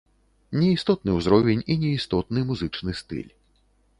Не істотны ўзровень і не істотны музычны стыль.